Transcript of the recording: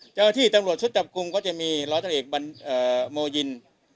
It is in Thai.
เจอที่ตำรวจสุจจบกรุงก็จะมีร้อเจอร์เหกโมยิน